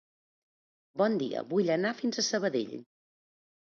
Bon dia, vull anar fins a Sabadell.